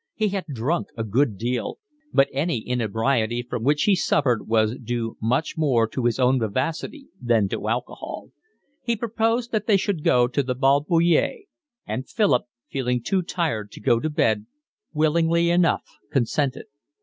He had drunk a good deal, but any inebriety from which he suffered was due much more to his own vivacity than to alcohol. He proposed that they should go to the Bal Bullier, and Philip, feeling too tired to go to bed, willingly enough consented.